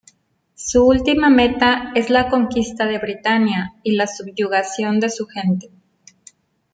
Su última meta es la conquista de Britannia y la subyugación de su gente.